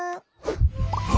あ。